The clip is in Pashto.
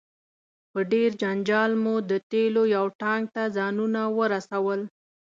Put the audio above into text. په ډیر جنجال مو د تیلو یو ټانک ته ځانونه ورسول.